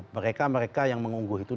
mereka mereka yang mengunggur itu